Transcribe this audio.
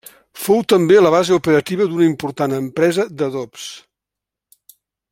Fou també la base operativa d'una important empresa d'adobs.